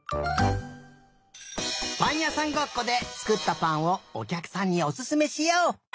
ぱんやさんごっこでつくったぱんをおきゃくさんにおすすめしよう！